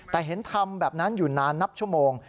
แต่เห็นทำแบบนั้นอยู่นานนับชั่วโมง